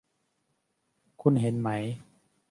คุณเห็นไหม